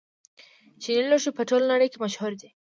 چیني لوښي په ټوله نړۍ کې مشهور دي.